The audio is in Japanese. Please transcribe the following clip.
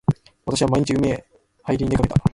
私は毎日海へはいりに出掛けた。